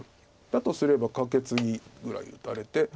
だとすればカケツギぐらい打たれて。